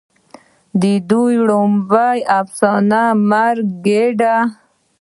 د دوي وړومبۍ افسانه " مړه ګيډه